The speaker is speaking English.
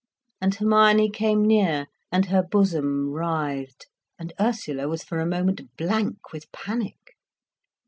And Hermione came near, and her bosom writhed, and Ursula was for a moment blank with panic.